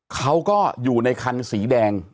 เขาก็อยู่ในคันสีแดง